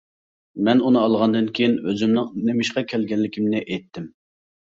مەن ئۇنى ئالغاندىن كېيىن ئۆزۈمنىڭ نېمىشقا كەلگەنلىكىمنى ئېيتتىم.